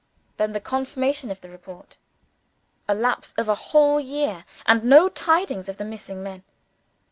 Then, the confirmation of the report a lapse of a whole year, and no tidings of the missing men.